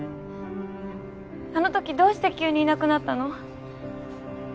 あの時どうして急にいなくなったの？